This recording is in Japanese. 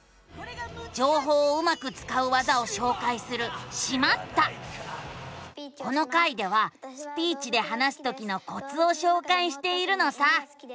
じょうほうをうまくつかう技をしょうかいするこの回ではスピーチで話すときのコツをしょうかいしているのさ。